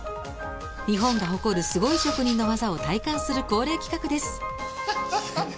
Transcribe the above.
日本が誇るすごい職人の技を体感する恒例企画です。